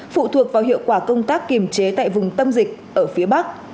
phụ thuộc vào hiệu quả công tác kiềm chế tại vùng tâm dịch ở phía bắc